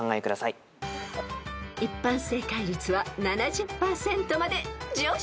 ［一般正解率は７０％まで上昇］